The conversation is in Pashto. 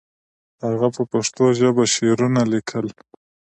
هغه په پښتو ژبه شعرونه لیکل.